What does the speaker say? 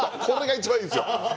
これが一番いいんですよ。